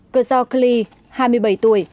cơ sở klee hai mươi bảy tuổi